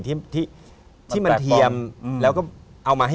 ที่เบิร์ณที่พ่อพาไป